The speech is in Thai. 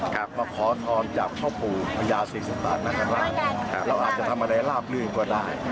มาขอทรมจากข้าวผูีพญาศิริสตานาทันหร่างเราอาจจะทำอะไรลาบลื่นกว่าได้